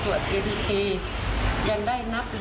อ่ะเม่ไม่มีรายได้อะไร